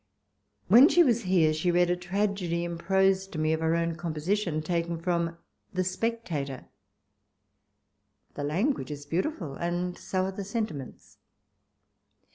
When she was here, she read a tragedy in prose to me, of her own composition, taken from " The Spectator ": the language is beauti ful and so are the sentiments.